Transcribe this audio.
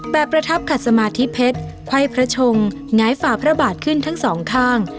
ประทับขัดสมาธิเพชรไขว้พระชงหงายฝ่าพระบาทขึ้นทั้งสองข้าง